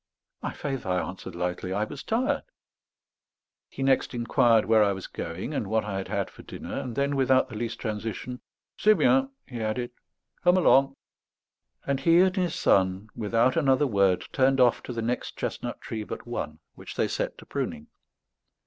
"My faith," I answered lightly, "I was tired." He next inquired where I was going, and what I had had for dinner; and then, without the least transition, "C'est bien," he added, "come along." And he and his son, without another word, turned oil to the next chestnut tree but one, which they set to pruning.